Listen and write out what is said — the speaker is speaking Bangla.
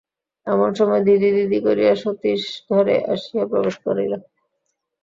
এমন সময় দিদি দিদি করিয়া সতীশ ঘরে আসিয়া প্রবেশ করিল।